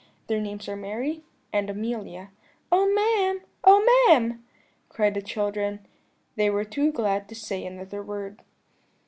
Their names are Mary and Amelia.' "'Oh, ma'am! Oh, ma'am!' cried the children; they were too glad to say another word.